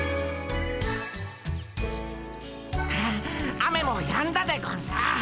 雨もやんだでゴンス。